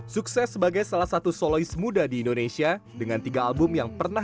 sukses sebagai salah satu solois muda di indonesia dengan tiga album yang pernah